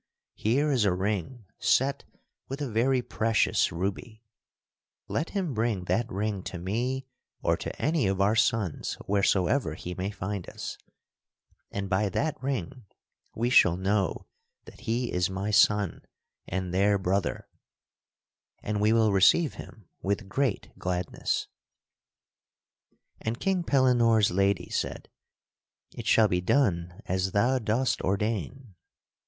here is a ring set with a very precious ruby; let him bring that ring to me or to any of our sons wheresoever he may find us, and by that ring we shall know that he is my son and their brother, and we will receive him with great gladness." [Sidenote: Percival's mother taketh him to the mountains] And King Pellinore's lady said, "It shall be done as thou dost ordain."